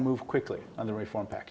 dalam pakaian reformasi